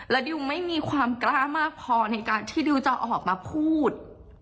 ดิวไม่มีความกล้ามากพอในการที่ดิวจะออกมาพูด